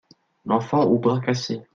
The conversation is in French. L’enfant au bras cassé.